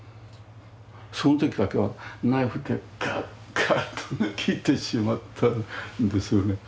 その時だけはナイフでガッガッと切ってしまったんですよね。